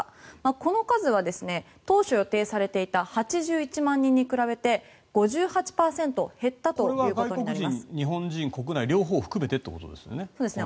この数は当初予定されていた８１万人に比べてこれは外国人、日本人国内、両方含めてということですよね？